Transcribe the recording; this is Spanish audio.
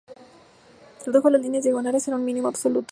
Redujo las líneas diagonales en un mínimo absoluto.